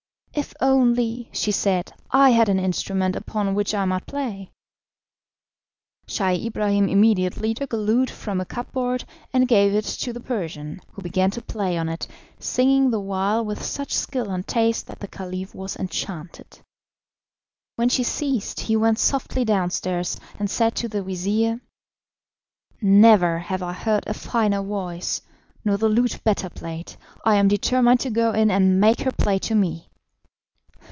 "If only," she said, "I had an instrument upon which I might play." Scheih Ibrahim immediately took a lute from a cup board and gave it to the Persian, who began to play on it, singing the while with such skill and taste that the Caliph was enchanted. When she ceased he went softly downstairs and said to the vizir: "Never have I heard a finer voice, nor the lute better played. I am determined to go in and make her play to me."